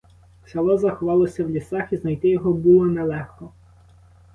Село заховалося в лісах, і знайти його було не легко.